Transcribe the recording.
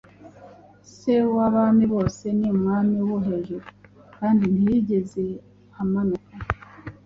Se w'Abami bose, ni Umwami wo Hejuru, kandi ntiyigeze amanuka,